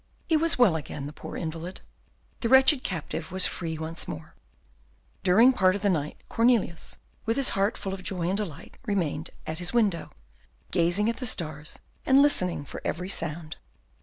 He was well again, the poor invalid; the wretched captive was free once more. During part of the night Cornelius, with his heart full of joy and delight, remained at his window, gazing at the stars, and listening for every sound.